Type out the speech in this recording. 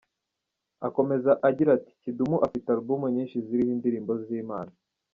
Akomeza agira ati “Kidumu afite album nyinshi ziriho indirimbo z’Imana.